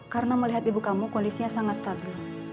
karena melihat ibu kamu kondisinya sangat stabil